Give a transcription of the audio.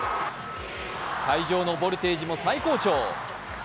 会場のボルテージも最高潮。